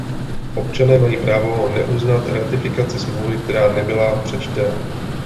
Občané mají právo neuznat ratifikaci Smlouvy, která nebyla přečtena.